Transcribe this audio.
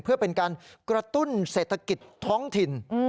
เพื่อเป็นการกระตุ้นเศรษฐกิจท้องถิ่น